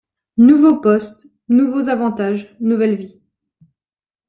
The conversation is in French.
Nouveau poste, nouveaux avantages, nouvelle vie...